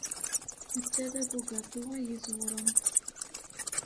Netta d abugaṭu ay iẓewren.